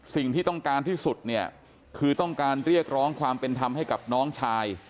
สิ่งที่ต้องการที่สุดเนี่ยคือต้องการเรียกร้องความเป็นธรรมให้กับน้องชาย